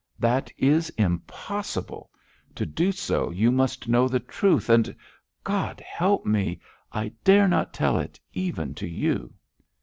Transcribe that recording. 'That is impossible. To do so, you must know the truth, and God help me! I dare not tell it even to you.'